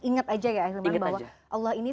ingat aja ya ahilman bahwa allah ini